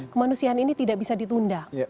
kemanusiaan ini tidak bisa ditunda